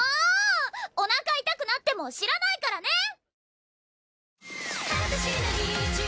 おなか痛くなっても知らないからね！